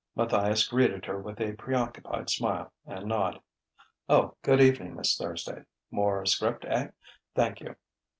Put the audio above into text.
Matthias greeted her with a preoccupied smile and nod. "Oh, good evening, Miss Thursday. More 'script, eh? Thank you."